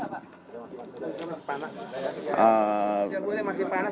ya saya akan ke tkp